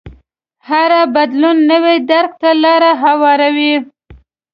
هر بدلون نوي درک ته لار هواروي.